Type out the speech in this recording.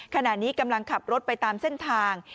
ขณะนี้กำลังขับรถไปตามเส้นทาง